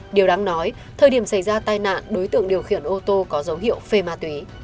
điều đáng nói thời điểm xảy ra tai nạn đối tượng điều khiển ô tô có dấu hiệu phê ma túy